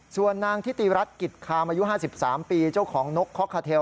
ส่วนนางทิติรัฐกิจคามอายุ๕๓ปีเจ้าของนกคอกคาเทล